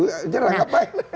tidak ada apa apa